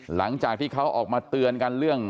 หลังจากที่เขาออกมาเตือนกันเรื่อง